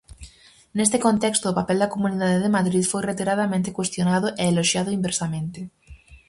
Neste contexto, o papel da Comunidade de Madrid foi reiteradamente cuestionado e eloxiado inversamente.